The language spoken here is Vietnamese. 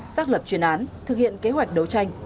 xác lập chuyên án thực hiện kế hoạch đấu tranh